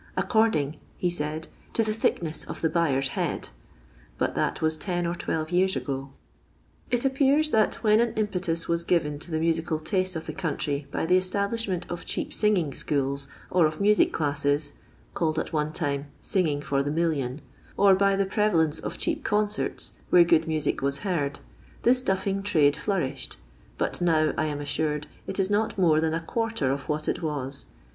according," he said, " to the thickness of the buyer's head," but that was ten or twelve years ago. It appears that when an impetus was given to the musical taste of the country by the esublish ment of cheap singing schools, or of music classes, (called at one time *' singing for the million "), or by the prevalence of cheap concerts, where good music was heard, this duffing trade flourished, but now, I am auured, it is not more than a quarter of what it was.